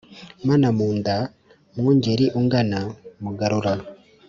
manamunda, mwungeri ungana mugarura,